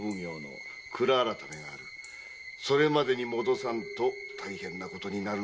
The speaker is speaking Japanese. それまでに戻さぬと大変なことになるのだ。